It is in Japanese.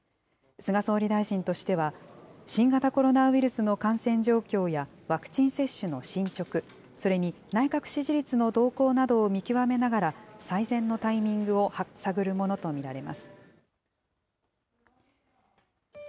菅総理大臣としては、新型コロナウイルスの感染状況やワクチン接種の進捗、それに内閣支持率の動向などを見極めながら、最善のタイミングを探るものと見られます。